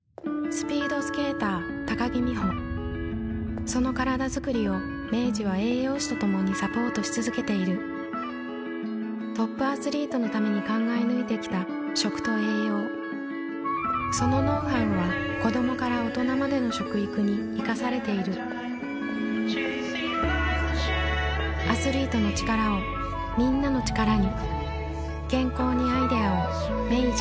スピードスケーター木美帆そのカラダづくりを明治は栄養士と共にサポートし続けているトップアスリートのために考え抜いてきた食と栄養そのノウハウは子どもから大人までの食育に生かされているアスリートの力をみんなの力に健康にアイデアを明治